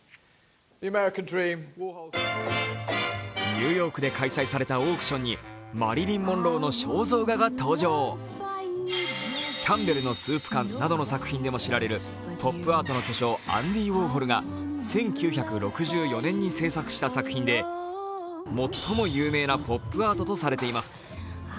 ニューヨークで開催されたオークションにマリリン・モンローの肖像画が登場「キャンベルのスープ缶」などの作品でも知られるポップアートの巨匠、アンディ・ウォーホルが１９６４年に制作した作品で最も有名なポップアートとされています。